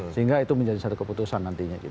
sehingga itu menjadi satu keputusan nantinya